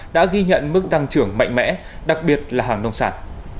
đã ghi nhận mức tăng trưởng mạnh mẽ đặc biệt là hàng nông sản